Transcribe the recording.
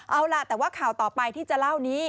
เอาล่ะแต่ว่าข่าวต่อไปที่จะเล่านี้